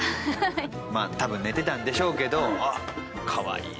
多分寝てたんでしょうけど「かわいい」って。